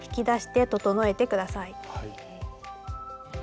はい。